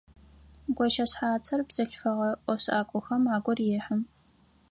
Гощэшъхьацыр бзылъфыгъэ ӏофшӏакӏохэм агу рехьы.